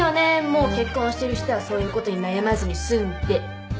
もう結婚してる人はそういうことに悩まずに済んで。